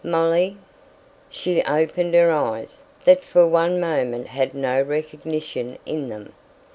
"Molly!" She opened her eyes, that for one moment had no recognition in them.